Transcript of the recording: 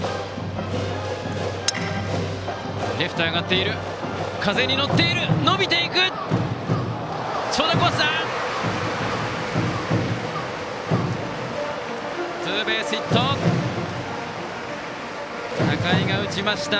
レフトへ上がって、風に乗って伸びていった！